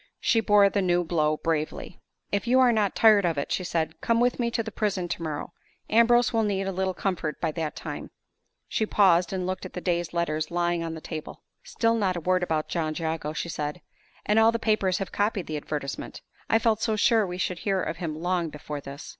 She bore the new blow bravely. "If you are not tired of it," she said, "come with me to the prison tomorrow. Ambrose will need a little comfort by that time." She paused, and looked at the day's letters lying on the table. "Still not a word about John Jago," she said. "And all the papers have copied the advertisement. I felt so sure we should hear of him long before this!"